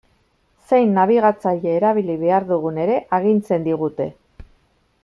Zein nabigatzaile erabili behar dugun ere agintzen digute.